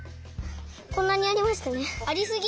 こんなにありましたね。ありすぎ！